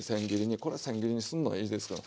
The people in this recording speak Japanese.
これせん切りにすんのはいいですから。